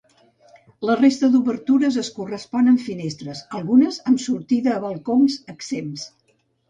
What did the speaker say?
La resta d'obertures es correspon amb finestres, algunes amb sortida a balcons exempts.